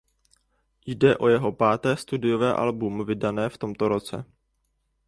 Jde o jeho páté studiové album vydané v tomto roce.